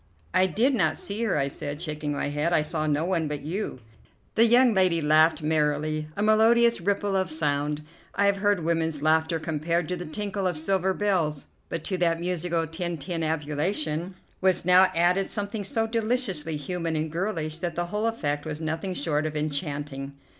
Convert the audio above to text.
"I did not see her," I said, shaking my head; "I saw no one but you." The young lady laughed merrily, a melodious ripple of sound. I have heard women's laughter compared to the tinkle of silver bells, but to that musical tintinnabulation was now added something so deliciously human and girlish that the whole effect was nothing short of enchanting.